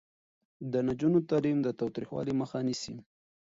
د نجونو تعلیم د تاوتریخوالي مخه نیسي.